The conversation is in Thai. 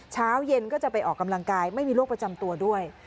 เช้าเย็นก็จะไปออกกำลังกายไม่มีโรคประจำตัวด้วย